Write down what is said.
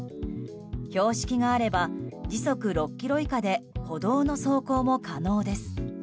標識があれば時速６キロ以下で歩道の走行も可能です。